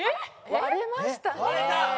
割れましたね。